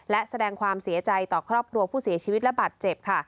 และแสดงความเสียใจต่อครอบครัวผู้เสียชีวิตและบาดเจ็บค่ะ